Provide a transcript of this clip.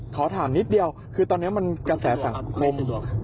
ขอถามนิดเดียวคือตอนนี้มันกระแสสังคม